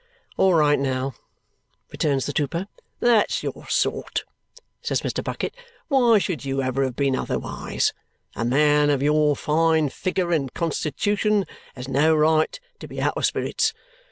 "All right now," returns the trooper. "That's your sort!" says Mr. Bucket. "Why should you ever have been otherwise? A man of your fine figure and constitution has no right to be out of spirits.